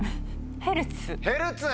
ヘルツ！